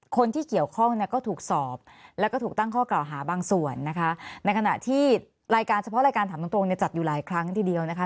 คนที่เกี่ยวข้องเนี่ยก็ถูกสอบแล้วก็ถูกตั้งข้อกล่าวหาบางส่วนนะคะในขณะที่รายการเฉพาะรายการถามตรงตรงเนี่ยจัดอยู่หลายครั้งทีเดียวนะคะ